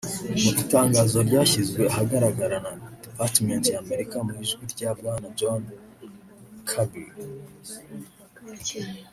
Mu itangazo ryashyizwe ahagaragara na Departement y’Amerika mu ijwi rya Bwana John Kirby